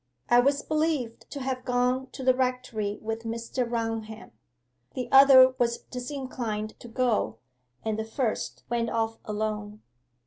I was believed to have gone to the rectory with Mr. Raunham. The other was disinclined to go, and the first went off alone.